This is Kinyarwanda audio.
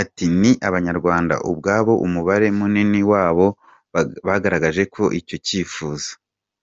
Ati “ Ni Abanyarwanda ubwabo, umubare munini wabo bagaragaje icyo cyifuzo.